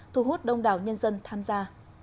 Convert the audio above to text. thu hút đông đảo nhân dân tham gia